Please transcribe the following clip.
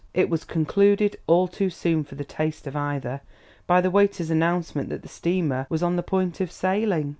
It was concluded, all too soon for the taste of either, by the waiter's announcement that the steamer was on the point of sailing.